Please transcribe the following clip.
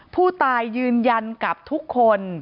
ผู้ตายยืนยันกับทุกคน